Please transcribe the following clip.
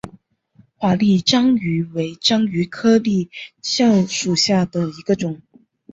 华丽章鱼为章鱼科丽蛸属下的一个种。